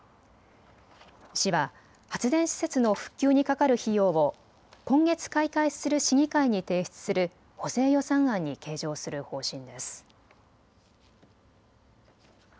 市は発電施設の復旧にかかる費用を今月開会する市議会に提出する補正予算案に計上する方針です。